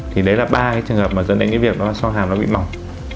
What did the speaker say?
thì đấy là ba cái trường hợp mà dẫn đến cái việc xoang hàm nó bị mỏng